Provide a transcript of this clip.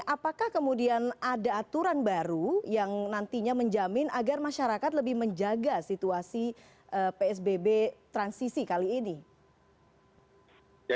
apakah kemudian ada aturan baru yang nantinya menjamin agar masyarakat lebih menjaga situasi